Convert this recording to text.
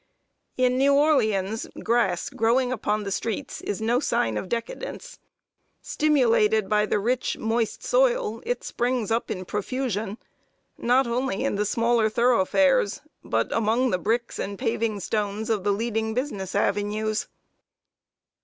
In New Orleans, grass growing upon the streets is no sign of decadence. Stimulated by the rich, moist soil, it springs up in profusion, not only in the smaller thoroughfares, but among the bricks and paving stones of the leading business avenues. [Sidenote: THE FRENCH QUARTER OF NEW ORLEANS.